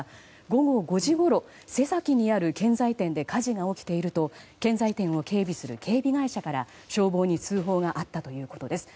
午後５時ごろ瀬崎にある建材店で火事が起きていると建材店を警備する警備会社から消防に通報があったということです。